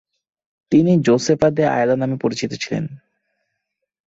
তিনি Josefa de Ayala নামে পরিচিত ছিলেন।